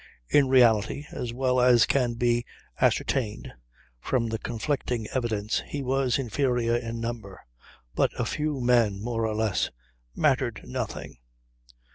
In reality, as well as can be ascertained from the conflicting evidence, he was inferior in number; but a few men more or less mattered nothing.